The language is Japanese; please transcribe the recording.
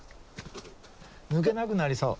抜けなくなりそう。